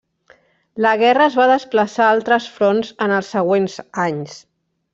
La guerra es va desplaçar a altres fronts en els següents anys.